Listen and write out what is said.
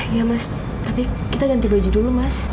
iya mas tapi kita ganti baju dulu mas